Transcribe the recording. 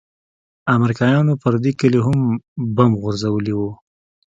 امريکايانو پر دې كلي هم بم غورځولي وو.